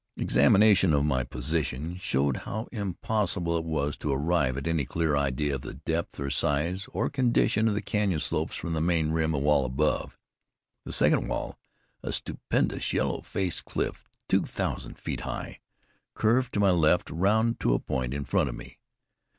Examination of my position showed how impossible it was to arrive at any clear idea of the depth or size, or condition of the canyon slopes from the main rim wall above. The second wall a stupendous, yellow faced cliff two thousand feet high curved to my left round to a point in front of me.